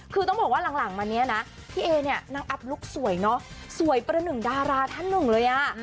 คือต้องบอกว่าหลังมาเนี่ยนะพี่เอเนี่ยนางอัพลุคสวยเนอะสวยประหนึ่งดาราท่านหนึ่งเลยอ่ะ